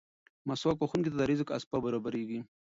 مسواک وهونکي ته د رزق اسباب برابرېږي.